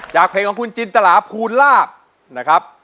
จากเพลงของคุณจินต๗หลาบจินต๗หลาบภูลาบ